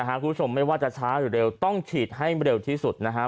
คุณผู้ชมไม่ว่าจะช้าหรือเร็วต้องฉีดให้เร็วที่สุดนะฮะ